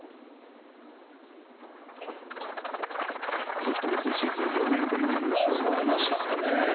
この人も今シーズン４年ぶりの優勝がありました。